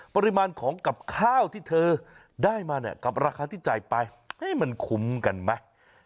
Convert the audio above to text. ปริมาณของกับข้าวที่เธอได้มาเนี่ยกับราคาที่จ่ายไปมันคุ้มกันไหม